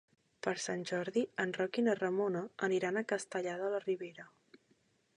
Per Sant Jordi en Roc i na Ramona aniran a Castellar de la Ribera.